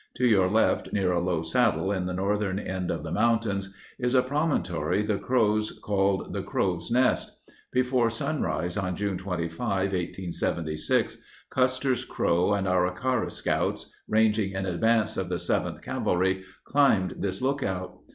To your left, near a low saddle in the northern end of the mountains, is a promon tory the Crows called the Crow's Nest. Before sunrise on June 25, 1876, Custer's Crow and Ankara scouts, ranging in advance of the 7th Cavalry, climbed this look out.